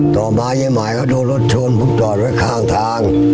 ต่อมาเยี่ยมหายเขาโดนรถชูนพุทธจอดไว้ข้างทาง